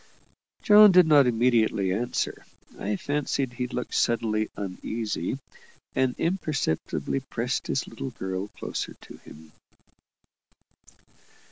John did not immediately answer; I fancied he looked suddenly uneasy, and imperceptibly pressed his little girl closer to him.